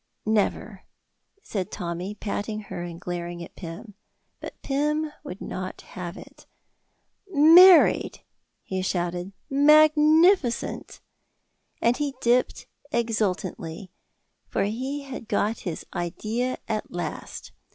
"Never!" said Tommy, patting her and glaring at Pym. But Pym would not have it. "Married!" he shouted. "Magnificent!" And he dipped exultantly, for he had got his idea at last.